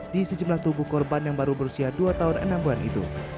di sejumlah tubuh korban yang baru berusia dua tahun enam bulan itu